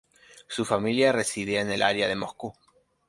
Su familia residía en el área de Moscú.